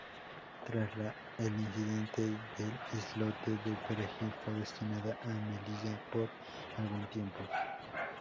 Tras el incidente del islote de Perejil, fue destinada a Melilla por algún tiempo.